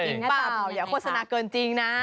เปล่าอย่าโฆษณาเกินจริงนะ